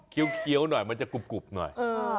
เคี้ยวหน่อยมันจะกรุบหน่อย